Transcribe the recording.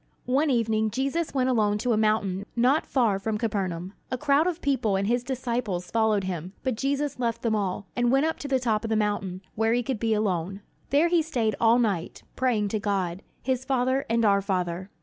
One evening Jesus went alone to a mountain not far from Capernaum. A crowd of people and his disciples followed him; but Jesus left them all, and went up to the top of the mountain, where he could be alone. There he stayed all night, praying to God, his Father and our Father.